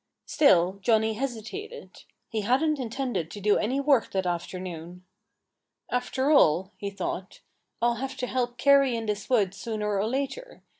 Still Johnnie hesitated. He hadn't intended to do any work that afternoon. "After all," he thought, "I'll have to help carry in this wood sooner or later.